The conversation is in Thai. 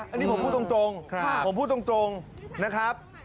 อันนี้ผมพูดตรงผมพูดตรงนะครับ